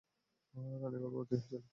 রানী গর্ভবতী ছিল।